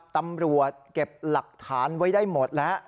ตำรวจเก็บหลักฐานไว้ได้หมดแล้ว